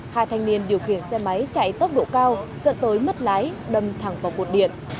hai thanh niên điều khiển xe máy chạy tốc độ cao dẫn tới mất lái đâm thẳng vào cột điện